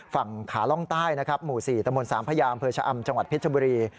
ฝั่งขาล่องใต้นะครับหมู่๔ตมสามพญาอำเภอชะอำจังหวัดเพชรบุรี